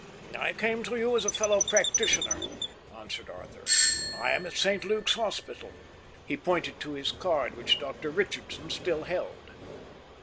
"I came to you as a fellow practitioner," answered Arthur. "I am at St Luke's Hospital." He pointed to his card, which Dr Richardson still held.